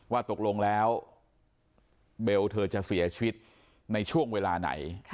ว่าตกลงแล้วเบลเธอจะเสียชีวิตในช่วงเวลาไหน